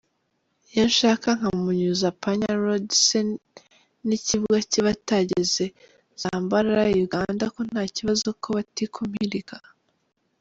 iyo anshaka nkamunyuza panya road se nikibwa kiba atageze zambarara uganda kontqkibazo kobatikompirika.